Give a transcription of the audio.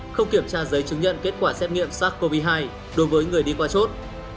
không kiểm tra giấy chứng nhận kết quả xét nghiệm sars cov hai đối với người đi qua chốt